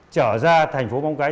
trở ra thành phố bóng cái